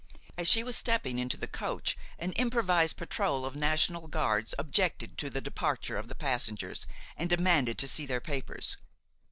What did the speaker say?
As she was stepping into the coach an improvised patrol of National Guards objected to the departure of the passengers and demanded to see their papers.